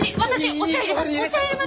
お茶いれます。